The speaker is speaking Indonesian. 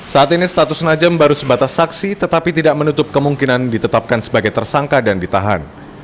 saat ini status najam baru sebatas saksi tetapi tidak menutup kemungkinan ditetapkan sebagai tersangka dan ditahan